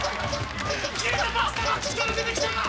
消えたパスタが口から出てきた！